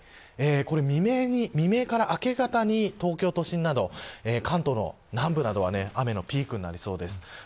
朝の５時ぐらい未明から明け方に東京都心など、関東の南部などは雨のピークになりそうです。